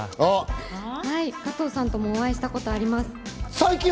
加藤さんともお会いしたこと、あります。